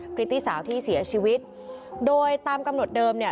พริตตี้สาวที่เสียชีวิตโดยตามกำหนดเดิมเนี่ย